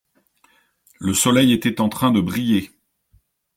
Le soleil était en train de briller.